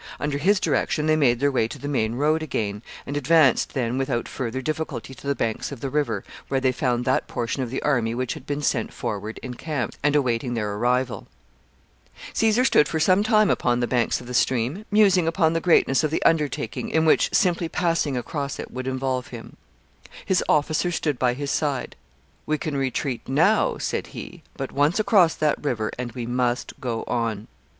Under his direction they made their way to the main road again, and advanced then without further difficulty to the banks of the river, where they found that portion of the army which had been sent forward encamped, and awaiting their arrival. [Illustration: CROSSING THE RUBICON] [Sidenote: Caesar at the Rubicon.] [Sidenote: His hesitation at the river.] Caesar stood for some time upon the banks of the stream, musing upon the greatness of the undertaking in which simply passing across it would involve him. His officers stood by his side. "We can retreat now" said he, "but once across that river and we must go on."